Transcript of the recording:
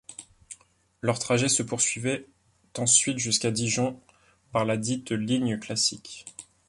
Leur trajet se poursuivait ensuite jusqu'à Dijon par ladite ligne classique.